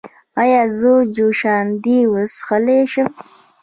ایا زه جوشاندې څښلی شم؟